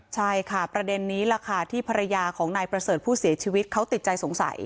ใช่ค่ะประเด็นนี้แหละค่ะที่ภรรยาของนายประเสริฐผู้เสียชีวิตเขาติดใจสงสัย